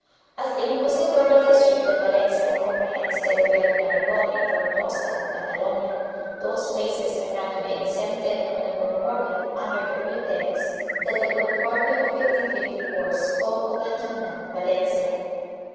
As the inquisitorial district of Valencia comprehends Teruel in Aragon and 'Tortosa in Catalonia, those places are not to be exempted from the Concordia under the pretext that the Concordia of 1554 spoke of the kingdom of Valencia.